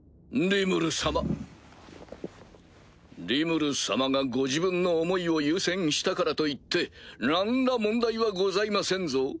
リムル様がご自分の思いを優先したからといって何ら問題はございませんぞ。